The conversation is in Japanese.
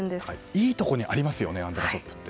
いいところにありますねアンテナショップは。